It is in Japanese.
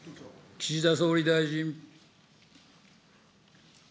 岸田総理大臣。